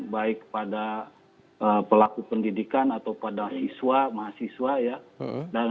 baik pada pelaku pendidikan atau pada siswa mahasiswa ya